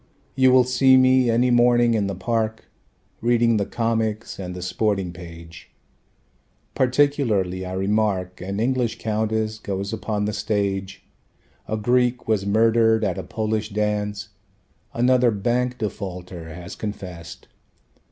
You will see me any morning in the park Reading the comics and the sporting page. Particularly I remark An English countess goes upon the stage. A Greek was murdered at a Polish dance, Another bank defaulter has confessed.